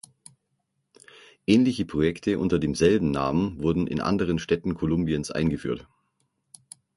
Ähnliche Projekte unter demselben Namen wurden in anderen Städten Kolumbiens eingeführt.